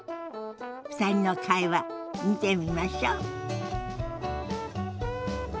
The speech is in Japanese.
２人の会話見てみましょ。